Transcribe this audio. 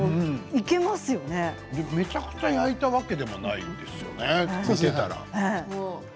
めちゃくちゃ焼いたわけではないんですよね見ていたら。